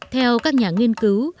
theo các nhà nghiên cứu